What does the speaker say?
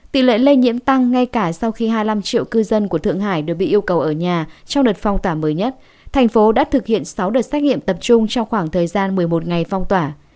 tỷ lệ lây nhiễm tăng ngay cả sau khi hai mươi năm triệu cư dân của thượng hải đều bị yêu cầu ở nhà trong đợt phong tỏa mới nhất thành phố đã thực hiện sáu đợt xét nghiệm tập trung trong khoảng thời gian một mươi một ngày phong tỏa